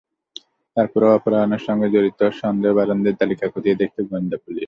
তার পরও অপহরণের সঙ্গে জড়িত সন্দেহভাজনদের তালিকা খতিয়ে দেখছে গোয়েন্দা পুলিশ।